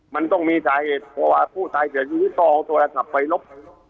มันต้องมีสาเหตุเพราะว่าผู้ตายเสียชีวิตต้องเอาโทรศัพท์ไปลบ